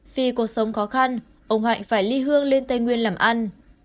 vì cuộc sống khó khăn ông hạnh phải ly hương lên tây nguyên làm ăn